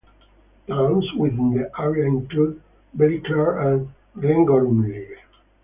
Towns within the area included Ballyclare and Glengormley.